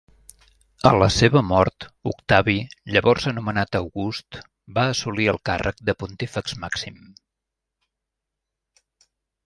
A la seva mort, Octavi, llavors anomenat August, va assolir el càrrec de Pontífex Màxim.